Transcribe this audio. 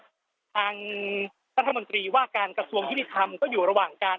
ทางประธานาจารย์หมดีว่าการกระทรวงจุธีธรรมอยู่ระหว่างการ